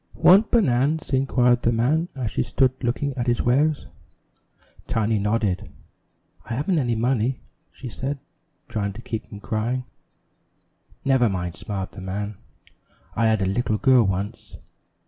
"Want banan's?" inquired the man as she stood looking at his wares. Tiny nodded. "I haven't any money," she said, trying to keep from crying. "Never mind," smiled the man, "I had little girl once.